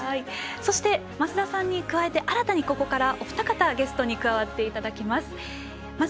そして、増田さんに加えて新たにここからお二方、ゲストに加わっていただきます。